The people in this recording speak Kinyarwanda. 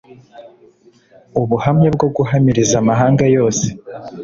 ubuhamya bwo guhamiriza amahanga yose